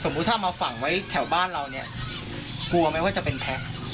กลัวมาฝั่งไว้แถวบ้านเราเนี่ยกลัวว่าจะเป็นแพ็ค